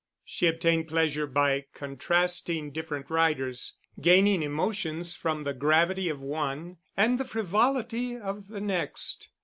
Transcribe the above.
She obtained pleasure by contrasting different writers, gaining emotions from the gravity of one and the frivolity of the next.